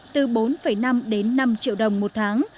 từ bốn năm đến năm triệu đồng một tháng